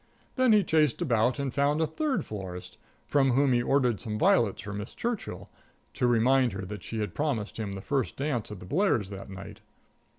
Then he chased about and found a third florist, from whom he ordered some violets for Miss Churchill, to remind her that she had promised him the first dance at the Blairs' that night.